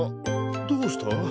どうした？